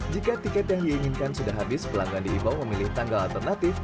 jika tiket yang diinginkan sudah habis pelanggan diimbau memilih tanggal alternatif